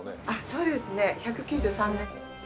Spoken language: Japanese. そうですね１９３年。